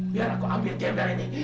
biar aku ambil jember ini